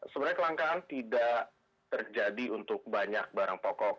sebenarnya kelangkaan tidak terjadi untuk banyak barang pokok